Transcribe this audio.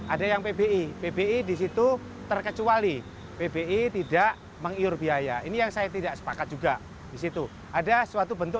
ada yang pbi pbi di situ terkecuali pbi tidak mengiur biaya ini yang saya tidak sepakat juga di situ